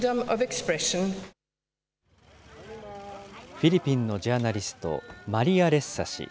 フィリピンのジャーナリスト、マリア・レッサ氏。